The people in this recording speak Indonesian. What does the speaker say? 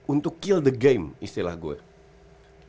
untuk kill the game istilah gue